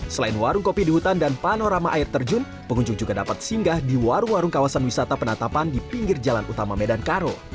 selain warung kopi di hutan dan panorama air terjun pengunjung juga dapat singgah di warung warung kawasan wisata penatapan di pinggir jalan utama medan karo